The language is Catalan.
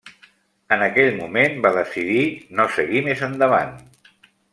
En aquell moment va decidir no seguir més endavant.